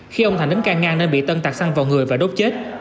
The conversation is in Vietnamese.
khi ông thành đến càng ngăn nên bị tân tạc xăng vào người và đốt chết